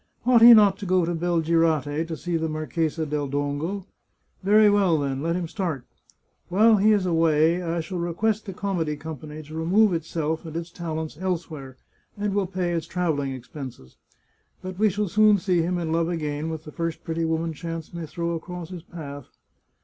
Ought he not to go to Belgirate to see the Marchesa del Dongo? Very well, then. Let him start. While he is away I shall request the comedy company to remove itself and its talents elsewhere, and will pay its travelling ex penses. But we shall soon see him in love again with the first pretty woman chance may throw across his path.